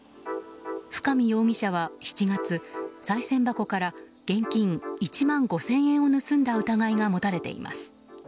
深見容疑者は７月さい銭箱から現金１万５０００円を盗んだ疑いが持たれています。